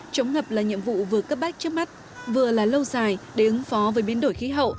chống ngập là nhiệm vụ vừa cấp bách trước mắt vừa là lâu dài để ứng phó với biến đổi khí hậu